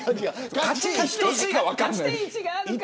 勝ちに等しいが分からない。